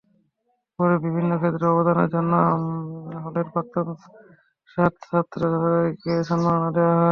পরে বিভিন্ন ক্ষেত্রে অবদানের জন্য হলের প্রাক্তন সাত ছাত্রীকে সম্মাননা দেওয়া হয়।